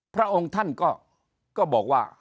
พระองค์ท่านก็บอกว่า